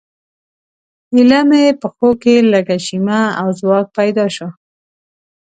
ایله مې پښو کې لږه شیمه او ځواک پیدا شو.